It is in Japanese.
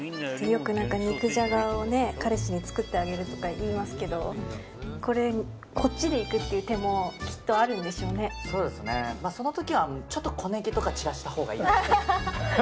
よく肉じゃがを彼氏に作ってあげるとか言いますけどこれ、こっちで行くっていう手もその時は、ちょっと小ネギとか散らしたほうがいいですね。